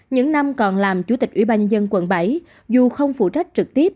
những năm còn làm chủ tịch ủy ban nhân dân quận bảy dù không phụ trách trực tiếp